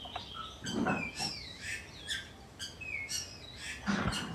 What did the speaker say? Priestley, donde compartía cartel con Francisco Valladares.